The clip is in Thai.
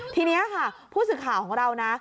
ทีนี้ค่ะผู้สื่อข่าวของเรานะ